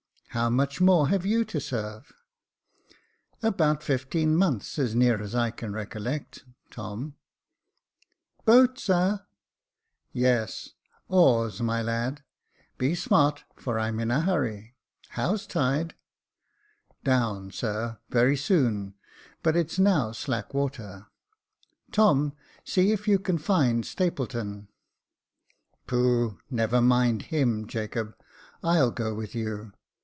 How much more have you to serve ?"" About fifteen months, as near as I can recollect, Tom, —Boat, sir ?"Yes J oars, my lad , be smart, for I'm in a hurry. How's tide ?"" Down, sir, very soon j but it's now slack water. Tom, see if you can find Stapleton." "Pooh! never mind him, Jacob, I'll go with you.